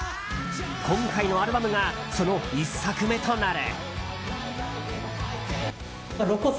今回のアルバムがその１作目となる。